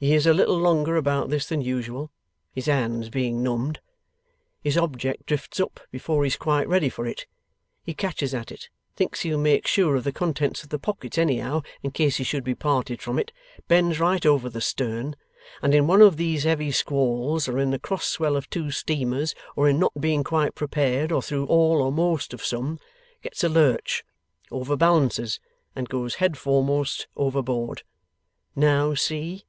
He is a little longer about this than usual, his hands being numbed. His object drifts up, before he is quite ready for it. He catches at it, thinks he'll make sure of the contents of the pockets anyhow, in case he should be parted from it, bends right over the stern, and in one of these heavy squalls, or in the cross swell of two steamers, or in not being quite prepared, or through all or most or some, gets a lurch, overbalances and goes head foremost overboard. Now see!